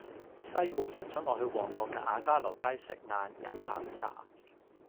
細妹約左我去旺角嘅亞皆老街食晏飲下午茶